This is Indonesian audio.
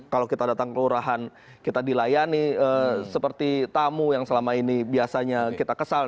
kalau kita datang kelurahan kita dilayani seperti tamu yang selama ini biasanya kita kesal